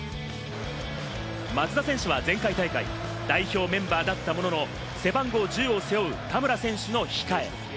松田選手は前回大会、代表メンバーだったものの、背番号１０を背負う田村選手の控え。